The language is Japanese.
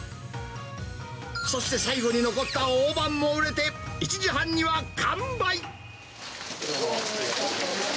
そして最後に残った大判も売れて、１時半には完売！